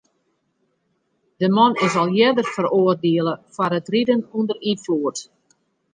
De man is al earder feroardiele foar it riden ûnder ynfloed.